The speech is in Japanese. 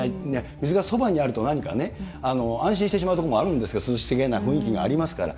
水がそばにあると何かね、安心してしまうところもあるんですけど、涼しげな雰囲気がありますから。